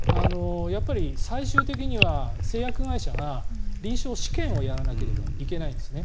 最終的には製薬会社が臨床試験をやらなければいけないんですね。